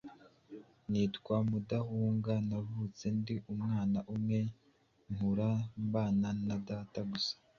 Nitwa Mudahunga. Navutse ndi umwana umwe nkura mbana na data gusa